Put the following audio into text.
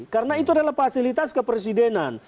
karena itu adalah fasilitas kepresidenan